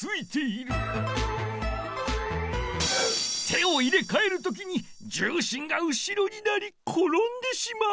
手を入れかえるときに重心が後ろになりころんでしまう。